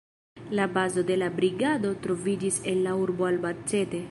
La bazo de la Brigadoj troviĝis en la urbo Albacete.